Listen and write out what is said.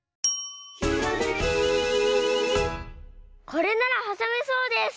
これならはさめそうです。